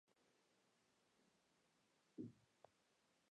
Forster regresó a Rochester donde trabajó como un suplente docente.